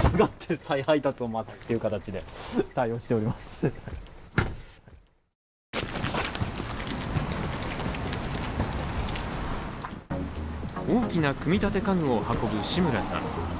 その後も不在が続き大きな組み立て家具を運ぶ志村さん。